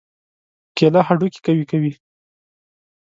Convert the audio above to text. کېله هډوکي قوي کوي.